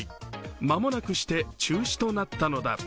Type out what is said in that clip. まもなくして中止となったのだ。